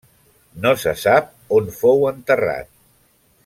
No se sap on fou enterrat.